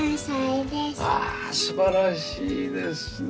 ああ素晴らしいですね。